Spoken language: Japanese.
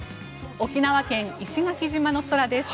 沖縄県・石垣島の空です。